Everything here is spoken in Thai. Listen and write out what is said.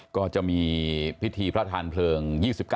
ก็จะมีพิธีพระทานเพลิง๒๙